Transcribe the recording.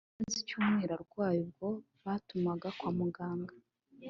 Yari amaze icyumweru arwaye ubwo batumaga kwa muganga